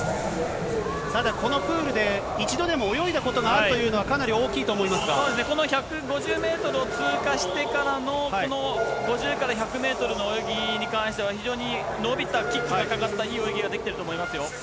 ただこのプールで一度でも泳いだことがあるというのは、かなり大この１５０メートルを通過してからの、この５０から１００メートルの泳ぎに関しては、非常に伸びたキックがかかったいい泳ぎができてると思いますよ。